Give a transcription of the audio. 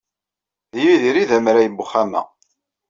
D Yidir ay d amṛay n uxxam-a.